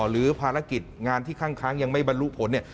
หรือภารกิจงานที่ข้างยังไม่บรรลุผลเนี่ย